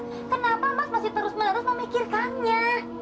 kenapa mas masih terus menerus memikirkannya